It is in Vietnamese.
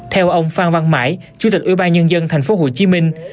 theo ông phan văn mãi chủ tịch ủy ban nhân dân thành phố hồ chí minh